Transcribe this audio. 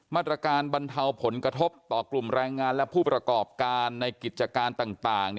มาตรการบรรเทาผลกระทบต่อกลุ่มแรงงานและผู้ประกอบการในกิจการต่าง